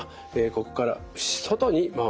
ここから外に回す。